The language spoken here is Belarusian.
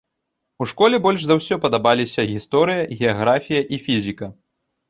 У школе больш за ўсё падабаліся гісторыя, геаграфія і фізіка.